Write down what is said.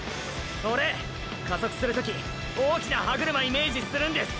オレ加速する時大きな歯車イメージするんです。